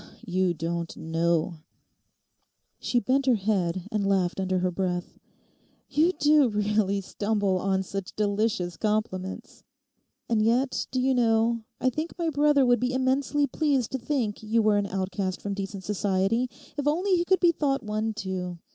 Ah, you don't know—' She bent her head and laughed under her breath. 'You do really stumble on such delicious compliments. And yet, do you know, I think my brother would be immensely pleased to think you were an outcast from decent society if only he could be thought one too.